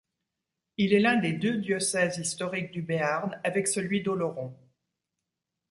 Il est l´un des deux diocèses historiques du Béarn avec celui d’Oloron.